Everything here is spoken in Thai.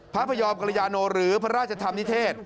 พยอมกรยาโนหรือพระราชธรรมนิเทศ